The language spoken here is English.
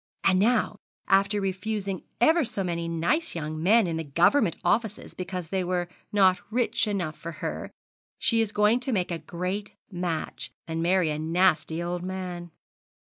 And now, after refusing ever so many nice young men in the Government offices because they were not rich enough for her, she is going to make a great match, and marry a nasty old man.'